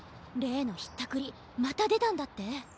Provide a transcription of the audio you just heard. れいのひったくりまたでたんだって？